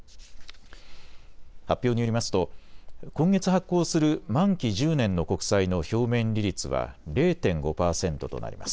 発表によりますと今月発行する満期１０年の国債の表面利率は０．５％となります。